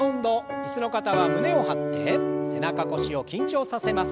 椅子の方は胸を張って背中腰を緊張させます。